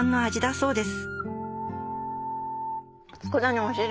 そうです。